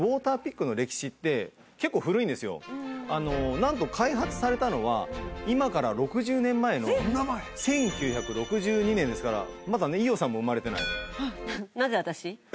なんと開発されたのは今から６０年前の１９６２年ですからまだね伊代さんも生まれてない。